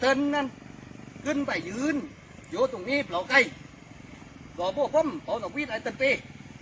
เติ้ลนั้นขึ้นไปยืนอยู่ตรงนี้เบาไก่เบาพวกผมเบาสักวินไอ้เติ้ลปี